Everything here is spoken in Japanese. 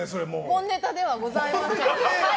本ネタではございません。